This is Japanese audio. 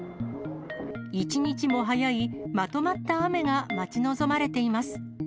一日も早いまとまった雨が待ち望まれています。